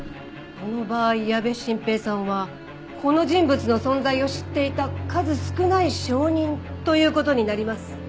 この場合矢部晋平さんはこの人物の存在を知っていた数少ない証人という事になります。